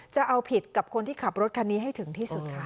จะเอาผิดกับคนที่ขับรถคันนี้ให้ถึงที่สุดค่ะ